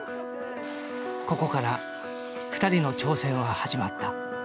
ここから２人の挑戦は始まった。